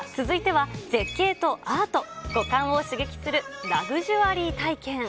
続いては、絶景とアート、五感を刺激するラグジュアリー体験。